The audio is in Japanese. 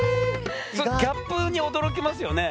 そのギャップに驚きますよね。